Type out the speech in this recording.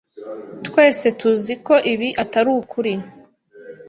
Twese tuzi ko ibi atari ukuri.